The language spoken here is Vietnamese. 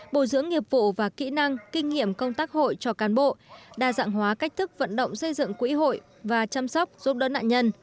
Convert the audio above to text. bồi dưỡng nghiệp vụ và kỹ năng kinh nghiệm công tác hội cho cán bộ đa dạng hóa cách thức vận động xây dựng quỹ hội và chăm sóc giúp đỡ nạn nhân